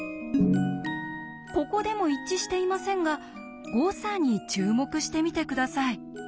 ここでも一致していませんが誤差に注目してみて下さい。